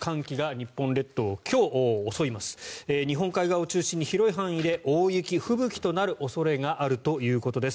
日本海側を中心に広い範囲で大雪、吹雪になる可能性があるということです。